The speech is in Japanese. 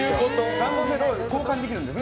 ランドセルを交換できるんです。